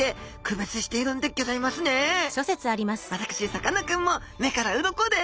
私さかなクンも目から鱗です！